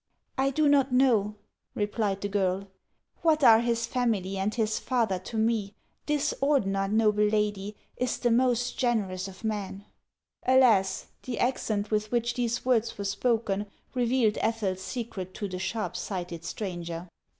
" I do not know," replied the girl. " What are his family and his father to rne ? This Ordener, noble lady, is the most generous of men." 374 HANS OF ICELAND. Alas ! the accent with which these words were spoken revealed Ethel's secret to the sharp sighted stranger.